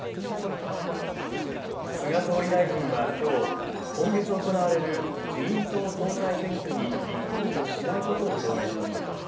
菅総理大臣はきょう、今月行われる自民党総裁選挙に立候補しないことを表明しました。